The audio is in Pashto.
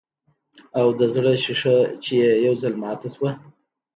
او د زړۀ شيشه چې ئې يو ځل ماته شوه